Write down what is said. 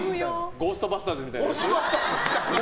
「ゴーストバスターズ」みたいな。